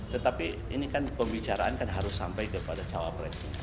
tetapi ini kan pembicaraan kan harus sampai kepada cawapresnya